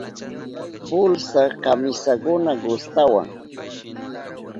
Pulsa kamisakuna gustawan.